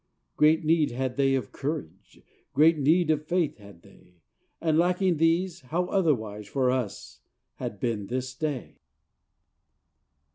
Great need had they of courage! Great need of faith had they! And, lacking these, how otherwise For us had been this day!